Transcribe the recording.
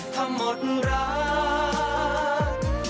ถ้าหมดรัก